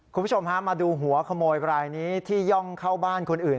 คุณผู้ชมฮะมาดูหัวขโมยรายนี้ที่ย่องเข้าบ้านคนอื่น